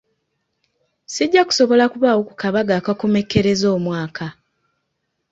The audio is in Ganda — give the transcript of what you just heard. Sijja kusobola kubaawo ku kabaga akakomekkereza omwaka.